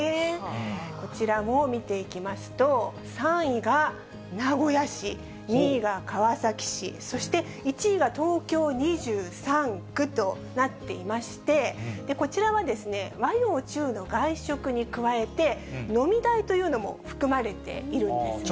こちらも見ていきますと、３位が名古屋市、２位が川崎市、そして１位が東京２３区となっていまして、こちらはですね、和洋中の外食に加えて、飲み代というのも含まれているんですね。